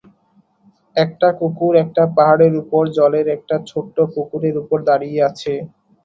একটা কুকুর একটা পাহাড়ের ওপর জলের একটা ছোট্ট পুকুরের ওপর দাঁড়িয়ে আছে।